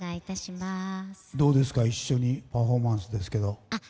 どうですか一緒にパフォーマンスですけど。